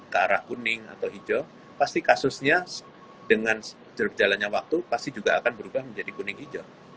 ke arah kuning atau hijau pasti kasusnya dengan jalannya waktu pasti juga akan berubah menjadi kuning hijau